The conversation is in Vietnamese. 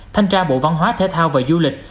thanh tra bộ văn hóa thể thao du lịch